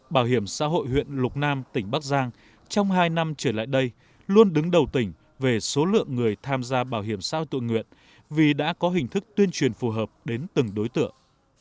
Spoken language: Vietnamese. bảo hiểm xã hội huyện lục nam tỉnh bắc giang trong hai năm trở lại đây luôn đứng đầu tỉnh về số lượng người tham gia bảo hiểm xã hội tự nguyện vì đã có hình thức tuyên truyền phù hợp đến từng đối tượng